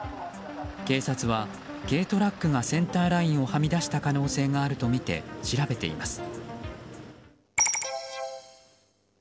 警察は軽トラックがセンターラインをはみ出した可能性があるとみて調べています。